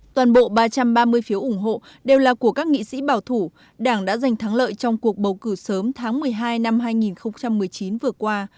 toàn bộ ba trăm ba mươi phiếu ủng hộ đều là của các nghị sĩ bảo thủ đảng đã giành thắng lợi trong cuộc bầu cử sớm tháng một mươi hai năm hai nghìn một mươi chín vừa qua